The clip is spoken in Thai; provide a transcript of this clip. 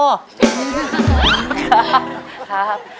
ครับ